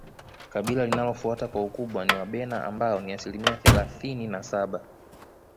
Kabila linalofuata kwa ukubwa ni Wabena ambao ni asilimia thelathini na saba